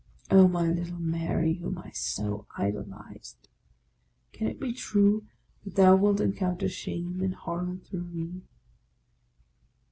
Oh, my little Mary, whom I so idolized! can it be true that thou wilt encounter shame and horror through me?